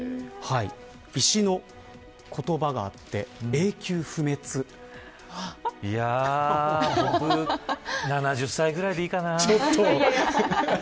石の言葉があっていやあ、僕７０歳ぐらいでいいかな。